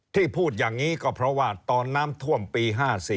พูดอย่างนี้ก็เพราะว่าตอนน้ำท่วมปี๕๔